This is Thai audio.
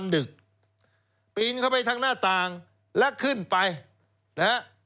เดี๋ยว